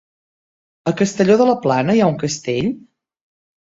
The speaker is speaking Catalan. A Castelló de la Plana hi ha un castell?